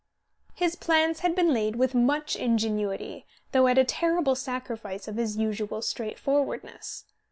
His plans had been laid with much ingenuity, though at a terrible sacrifice of his usual straight forwardness.